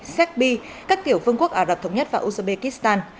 serbi các tiểu vương quốc ả rập thống nhất và uzbekistan